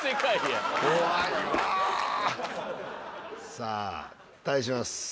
さあ対します